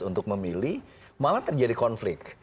untuk memilih malah terjadi konflik